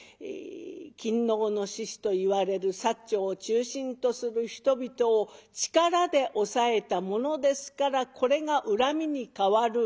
勤王の志士といわれる長を中心とする人々を力で抑えたものですからこれが恨みに変わる。